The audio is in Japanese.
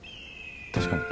確かに。